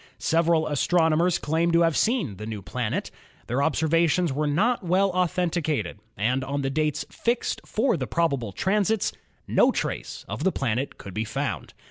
Several astronomers claimed to have seen the new planet. Their observations were not well authenticated, and on the dates fixed for the probable transits no trace of the planet could be found.